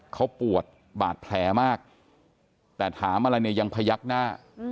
เขาปวดบาดแผลมากแต่ถามอะไรเนี่ยยังพยักหน้า